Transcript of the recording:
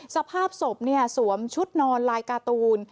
สภาพศพสวมชุดนอนลายการ์ตูน